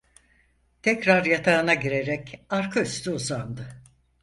Tekrar yatağına girerek, arka üstü uzandı.